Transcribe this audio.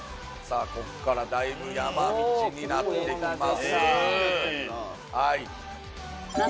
ここからだいぶ山道になってきます。